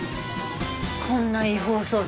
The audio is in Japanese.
こんな違法捜査